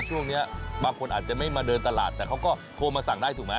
ช่วงนี้บางคนอาจจะไม่มาเดินตลาดแต่เขาก็โทรมาสั่งได้ถูกไหม